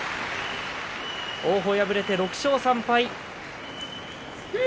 王鵬敗れて６勝３敗。